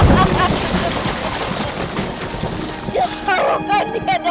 ya ket prostus menyuruhnya